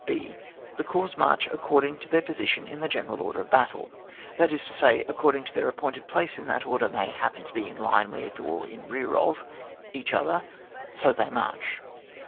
(5) The corps march according to their position in the general order of battle ; that is to say, according as their ap pointed plaoe in that order may happen to be in line with, or in rear o^ each other, so they march.